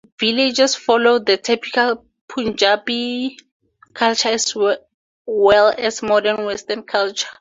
Villagers follow the typical Punjabi Culture as well as modern western culture.